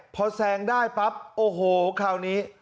พอแซงได้ปั๊บโอ้โหคราวนี้